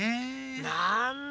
なんだ。